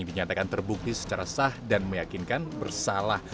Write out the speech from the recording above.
dinyatakan terbukti secara sah dan meyakinkan bersalah